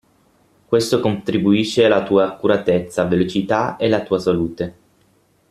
Questo contribuisce alla tua accuratezza, velocità e la tua salute.